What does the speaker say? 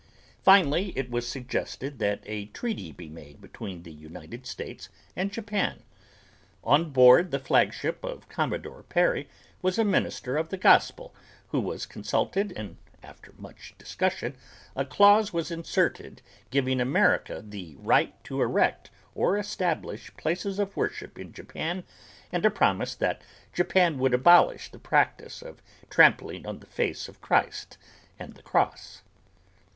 Finally, it was suggested that a treaty be made between the United States and Japan. On board the flagship of Commodore Perry was a minister of the gospel who was consulted and after much discussion a clause was inserted giving America the right to erect or establish places of worship in Japan and a promise that Japan would abolish the practice of trampling on the face of Christ and the cross.